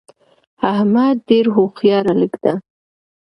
احمدډیرهوښیارهلک ده